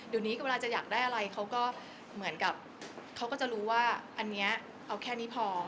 เดี๋ยวนี้เวลาจะอยากได้อะไรเขาก็เหมือนกับเขาก็จะรู้ว่าอันนี้เอาแค่นี้พอ